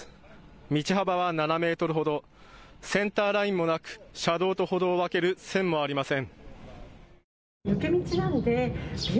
道幅は７メートルほど、センターラインもなく、車道と歩道を分ける線もありません。